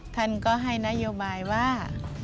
ท่านก็ให้นโยบายว่า